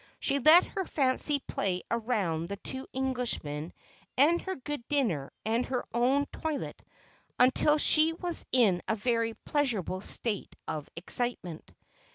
She let her fancy play around the two Englishmen and her good dinner and her own toilet until she was in a very pleasurable state of excitement.